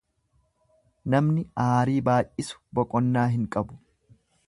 Namni aarii baay'isu boqonnaa hin qabu.